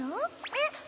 えっ！